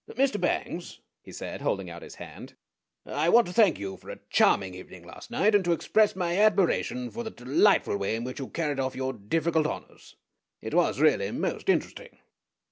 "Mr. Bangs," he said, holding out his hand, "I want to thank you for a charming evening last night, and to express my admiration for the delightful way in which you carried off your difficult honors. It was really most interesting."